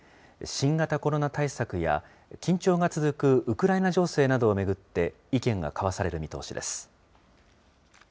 新型コロナ対策や、緊張が続くウクライナ情勢などを巡って、意見が交わされる見通しです。